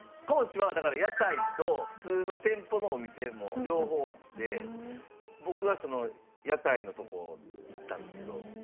高知はだから屋台と普通の店舗のお店も両方あって僕はその屋台のとこ行ったんですけど。